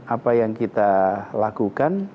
apa yang kita lakukan